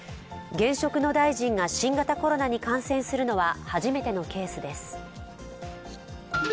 現職の大臣が新型コロナに感染するのは初めてのケースです。